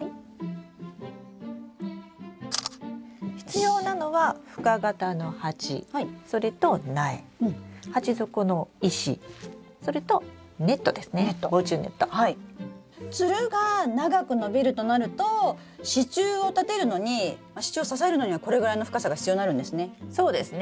必要なのは深型の鉢それとつるが長く伸びるとなると支柱を立てるのに支柱を支えるのにはこれぐらいの深さが必要になるんですね？